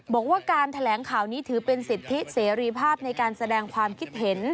บอกว่าการแถลงข่าวนี้ถือเป็นสิทธิเสรีภาพในการแสดงความคิดเห็น